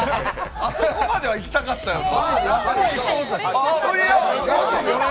あそこまでは行きたかったよな。